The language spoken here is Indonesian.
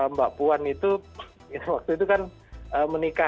mbak puan itu waktu itu kan menikah